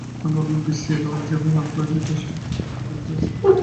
আমি বলব, বিসিএলে ওরা যেভাবে রান করেছে, টেস্টেও ঠিক সেভাবে খেলতে।